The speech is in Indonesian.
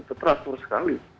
itu teratur sekali